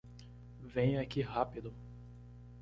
Venha aqui rápido!